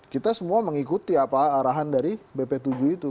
kita semua mengikuti arahan dari bp tujuh itu